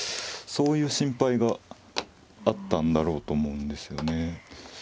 そういう心配があったんだろうと思うんですよね。